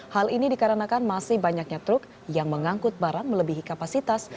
hal ini dikarenakan masih banyaknya truk yang mengangkut barang melebihi kapasitas